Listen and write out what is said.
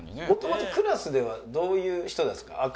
もともとクラスではどういう人ですか？